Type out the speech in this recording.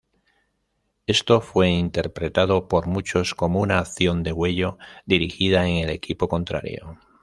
Esto fue interpretado por muchos como una acción degüello, dirigida en el equipo contrario.